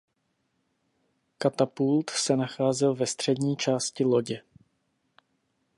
Katapult se nacházel ve střední části lodě.